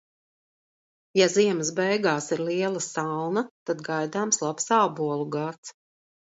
Ja ziemas beigās ir liela salna, tad gaidāms labs ābolu gads.